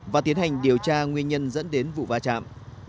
và tiến hành điều tra nguyên nhân dẫn đến vụ va chạm